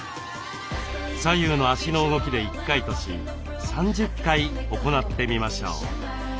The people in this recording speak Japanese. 左右の足の動きで１回とし３０回行ってみましょう。